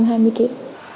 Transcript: mở rộng điều tra